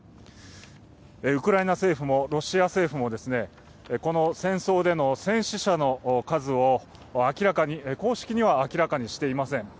ウクライナ政府もロシア政府もこの戦争での戦死者の数を公式には明らかにしていません。